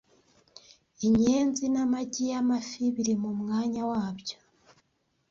(Inyenzi n'amagi y'amafi biri mu mwanya wabyo,